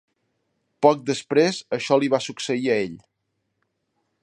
Poc després això li va succeir a ell.